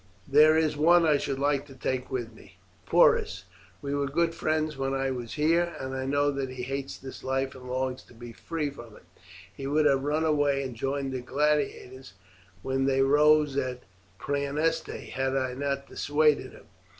"There is one I should like to take with me Porus; we were good friends when I was here, and I know that he hates this life and longs to be free from it. He would have run away and joined the gladiators when they rose at Praeneste had I not dissuaded him.